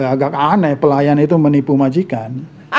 agak aneh pelayan itu menipu majikan